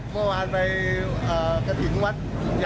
เมื่อวานไปกฐิงวัด